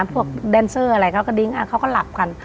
พวกด้านเซอร์เขาก็ดิ้งเอาเขาก็หลับกัน